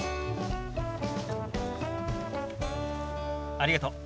ありがとう。